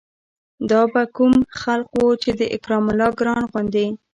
دا به کوم خلق وو چې د اکرام الله ګران غوندې